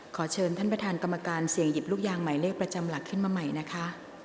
ขอเชิญท่านประธานกรรมการเสี่ยงหยิบลูกยางหมายเลขประจำหลักขึ้นมาใหม่นะคะ